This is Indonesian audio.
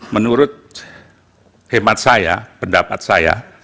menurut hemat saya pendapat saya